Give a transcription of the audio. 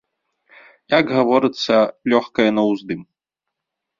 Як гаворыцца, лёгкая на ўздым.